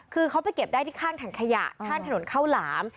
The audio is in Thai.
คือเขาไปเก็บได้ที่ข้างถังขยะข้างถนนข้าวหลาม